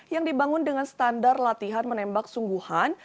yang dibangun dengan standar latihan menembak sungguhan